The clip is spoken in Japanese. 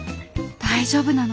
大丈夫なの？